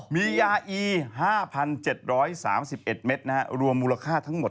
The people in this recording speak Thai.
มียาอี๕๗๓๑เม็ดรวมมูลค่าทั้งหมด